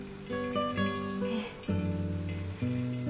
ええ。